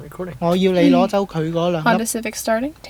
我要你攞走佢果兩粒